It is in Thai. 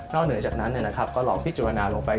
เหนือจากนั้นก็ลองพิจารณาลงไป